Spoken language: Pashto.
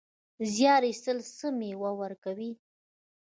زیار ایستل څه مېوه ورکوي؟